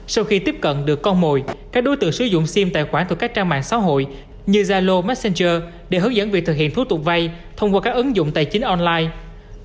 sau khi tiếp cận được con mồi các đối tượng sử dụng sim tài khoản thuộc các trang mạng xã hội như zalo messenger để hướng dẫn việc thực hiện thủ tục vay thông qua các ứng dụng tài chính online